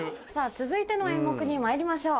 続いての演目にまいりましょう。